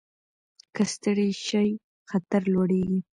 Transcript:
که ستړي شئ خطر لوړېږي.